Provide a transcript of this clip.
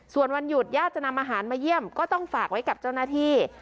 ส่วนวันหยุดญาติจะนำอาหารมาเยี่ยมก็ต้องฝากไว้กับเจ้าหน้าที่